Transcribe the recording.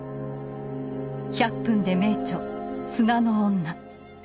「１００分ｄｅ名著」「砂の女」。